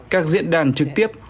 các diễn đàn trực tiếp